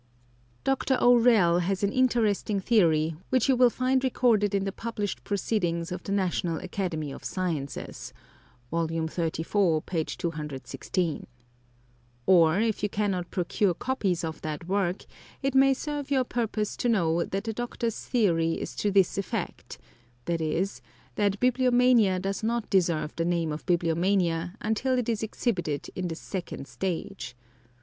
Dr. O'Rell has an interesting theory which you will find recorded in the published proceedings of the National Academy of Sciences (vol. xxxiv., p. 216). Or, if you cannot procure copies of that work, it may serve your purpose to know that the doctor's theory is to this effect viz., that bibliomania does not deserve the name of bibliomania until it is exhibited in the second stage.